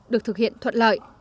được thực hiện thuận lợi